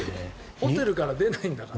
ホテルから出ないんだから。